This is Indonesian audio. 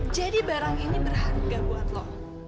jadi barang ini berharga buat lu